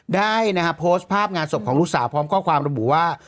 ได้นะฮะโพสต์ภาพงานศพของลูกสาวพร้อมข้อความระบุว่า